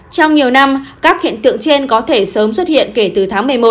trong nhiều năm các hiện tượng trên có thể sớm xuất hiện kể từ tháng một mươi một